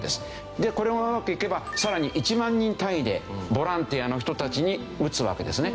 でこれがうまくいけばさらに１万人単位でボランティアの人たちに打つわけですね。